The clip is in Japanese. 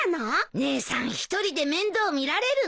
姉さん１人で面倒見られるの？